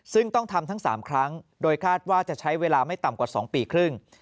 ซึ่งต้องทำทั้ง๓ครั้งโดยคาดว่าจะใช้เวลาไม่ต่ำกว่า๒ปีครึ่ง